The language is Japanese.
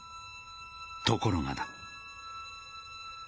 ところがだ。